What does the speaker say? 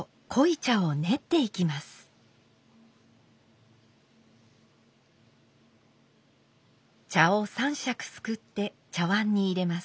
茶を３杓すくって茶碗に入れます。